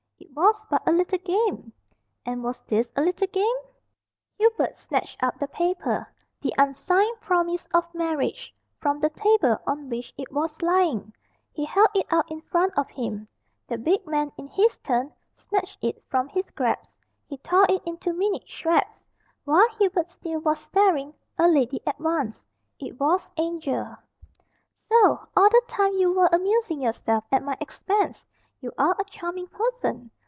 "It was but a little game." "And was this a little game?" Hubert snatched up the paper, the unsigned promise of marriage, from the table on which it was lying; he held it out in front of him. The big man, in his turn, snatched it from his grasp. He tore it into minute shreds. While Hubert still was staring, a lady advanced. It was Angel. "So, all the time you were amusing yourself at my expense. You are a charming person.